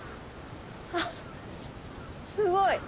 あっすごい！